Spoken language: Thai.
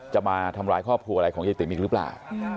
จะมาทำร้ายครอบครัวอะไรของยายติ๋มอีกหรือเปล่า